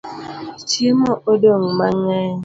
Chiemo odong mangeny